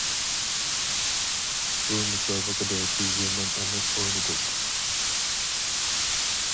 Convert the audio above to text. بۇ مۇسابىقىدە بىز يامان ئەمەس ئوينىدۇق.